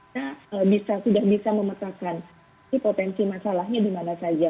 kita sudah bisa memetakan potensi masalahnya dimana saja